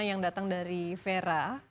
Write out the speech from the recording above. yang datang dari vera